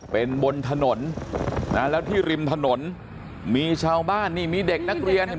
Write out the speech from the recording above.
เป็นบนถนนนะแล้วที่ริมถนนมีชาวบ้านนี่มีเด็กนักเรียนเนี่ย